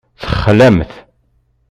Texlamt.